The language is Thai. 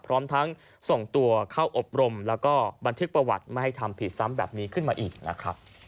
พร้อมทั้งส่งตัวเข้าอบรมแล้วก็บันทึกประวัติไม่ให้ทำผิดซ้ำแบบนี้ขึ้นมาอีกนะครับ